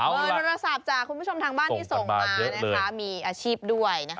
เบอร์โทรศัพท์จากคุณผู้ชมทางบ้านที่ส่งมานะคะมีอาชีพด้วยนะคะ